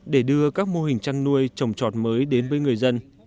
để đưa các mô hình chăn nuôi trồng trọt mới đến với người dân